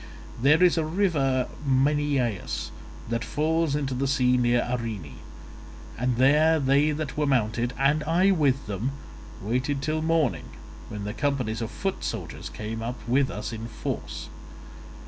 There is a river Minyeius that falls into the sea near Arene, and there they that were mounted (and I with them) waited till morning, when the companies of foot soldiers came up with us in force.